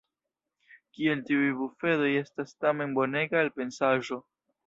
Kiel tiuj bufedoj estas tamen bonega elpensaĵo!